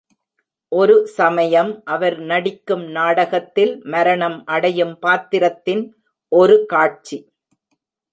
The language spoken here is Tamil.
ஒரு சமயம், அவர் நடிக்கும் நாடகத்தில், மரணம் அடையும் பாத்திரத்தின் ஒரு காட்சி!